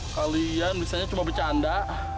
kalian misalnya cuma bercanda